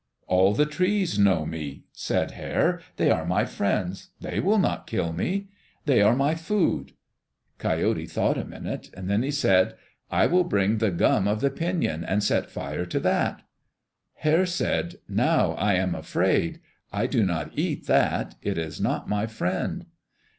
"All the trees know me," said Hare. "They are my friends. They will not kill me. They are my food." Coyote thought a minute. Then he said, "I will bring the gum of the pinon and set fire to that." Hare said, "Now I am afraid. I do not eat that. It is not my friend."